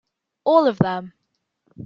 All of them!